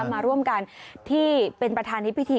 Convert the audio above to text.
มาร่วมกันที่เป็นประธานิพิธี